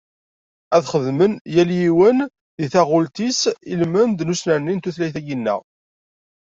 Ad xedmen, yal yiwen di taɣult-is ilmend n usnerni n tutlayt-agi-nneɣ.